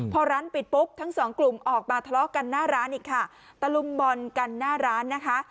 พอร้านปิดปุ๊บทั้งสองกลุ่มออกมาทะเลาะกันหน้าร้านอีกค่ะตะลุมบอลกันหน้าร้านนะคะ